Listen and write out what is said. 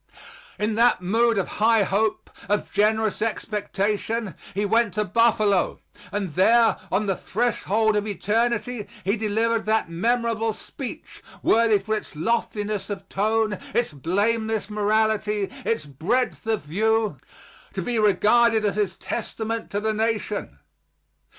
In that mood of high hope, of generous expectation, he went to Buffalo, and there, on the threshold of eternity, he delivered that memorable speech, worthy for its loftiness of tone, its blameless morality, its breadth of view, to be regarded as his testament to the nation.